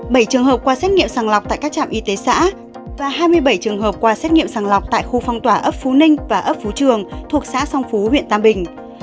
bảy trường hợp qua xét nghiệm sàng lọc tại các trạm y tế xã và hai mươi bảy trường hợp qua xét nghiệm sàng lọc tại khu phong tỏa ấp phú ninh và ấp phú trường thuộc xã song phú huyện tam bình